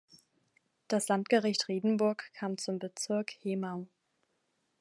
Das Landgericht Riedenburg kam zum Bezirk Hemau.